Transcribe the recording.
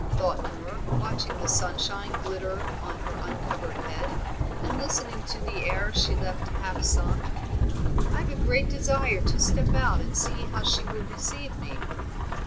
thought Moor, watching the sunshine glitter on her uncovered head, and listening to the air she left half sung. "I've a great desire to step out and see how she will receive me.